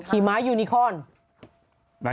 ขี่ไม้ยูนิคอล